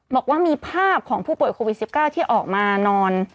บอกว่ามีภาพของผู้ป่วยโควิด๑๙ที่ออกมานอน